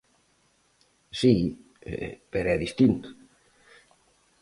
Si, pero é distinto.